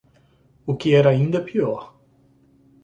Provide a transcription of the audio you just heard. O que era ainda pior